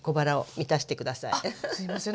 あっすいません。